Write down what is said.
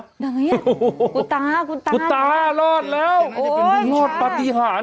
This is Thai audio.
คะนี่คุณตาคุณตา